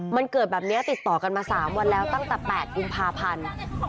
มันเกิดแบบนี้ติดต่อกันมา๓วันแล้วตั้งแต่๘กุมภาพันธ์